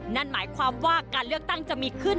นั่นหมายความว่าการเลือกตั้งจะมีขึ้น